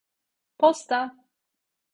Posta!